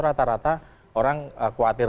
rata rata orang khawatir